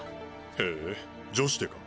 へえ女子でか。